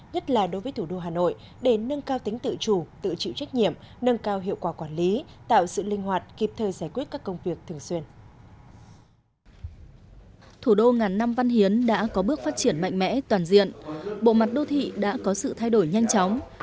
nhất là đối với thủ đô hà nội để nâng cao tính tự chủ tự chịu trách nhiệm nâng cao hiệu quả quản lý tạo sự linh hoạt kịp thời giải quyết các công việc thường xuyên